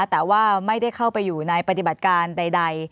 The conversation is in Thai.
แต่ว่าไม่ได้เข้าไปอยู่ในปฏิบัติการใด